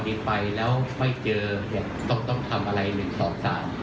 ไหนต้องไปไหนก็ไม่เจอต้องทำอะไรเหลือสอบตรา